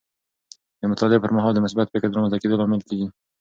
د مطالعې پر مهال د مثبت فکر د رامنځته کیدو لامل کیږي.